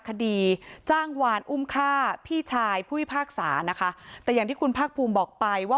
คดีจ้างวานอุ้มฆ่าพี่ชายผู้พิพากษานะคะแต่อย่างที่คุณภาคภูมิบอกไปว่า